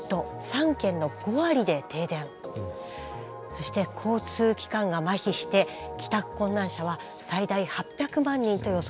そして交通機関がまひして帰宅困難者は最大８００万人と予想されています。